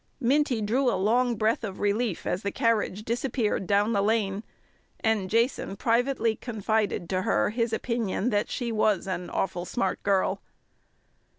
Minty drew a long breath of relief as the carriage disappeared down the lane, and Jason privately confided to her his opinion that she was "an orfle smart girl."